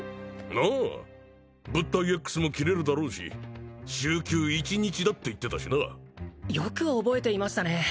ああ物体Ｘも切れるだろうし週休一日だって言ってたしなよく覚えていましたね